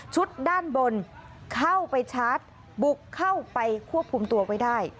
ด้านบนเข้าไปชาร์จบุกเข้าไปควบคุมตัวไว้ได้